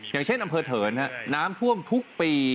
อย่างเช่นอำเภอเถิร์นนะครับน้ำถ้วงทุกปี